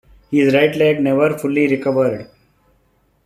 His right leg never fully recovered.